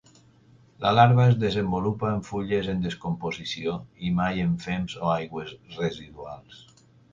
La larva es desenvolupa en fulles en descomposició i mai en fems o aigües residuals.